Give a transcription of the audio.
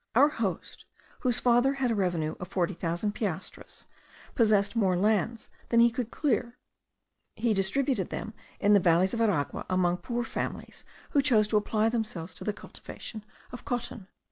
Our host, whose father had a revenue of 40,000 piastres, possessed more lands than he could clear; he distributed them in the valleys of Aragua among poor families who chose to apply themselves to the cultivation of cotton.